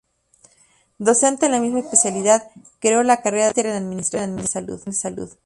Docente en la misma especialidad, creó la carrera de Magister en Administración de Salud.